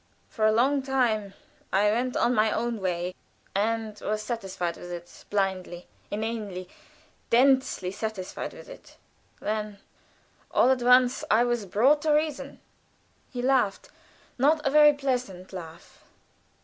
For a long time I went on my own way, and was satisfied with it blindly, inanely, densely satisfied with it; then all at once I was brought to reason " He laughed, not a very pleasant laugh.